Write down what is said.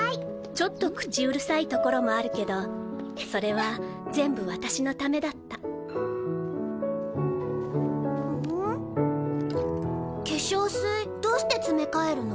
ちょっと口うるさいところもあるけどそれは全部私のためだった化粧水どうしてつめかえるの？